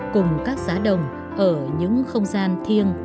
cùng các giá đồng ở những không gian thiêng